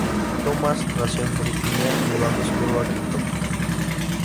Thomas nació en Virginia, mudándose luego a Kentucky.